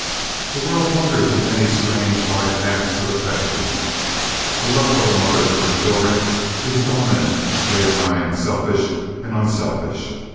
The world wanders into many strange by paths of affection. The love of a mother for her children is dominant, leonine, selfish, and unselfish.